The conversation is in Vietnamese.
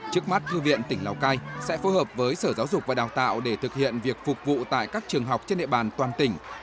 trước mắt thư viện tỉnh lào cai sẽ phối hợp với sở giáo dục và đào tạo để thực hiện việc phục vụ tại các trường học trên địa bàn toàn tỉnh